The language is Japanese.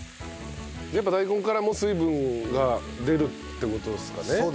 やっぱ大根からも水分が出るって事ですかね。